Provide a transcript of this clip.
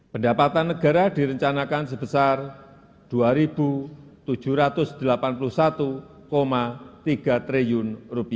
pendapatan negara direncanakan sebesar rp dua tujuh ratus delapan puluh satu tiga triliun